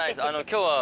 今日は。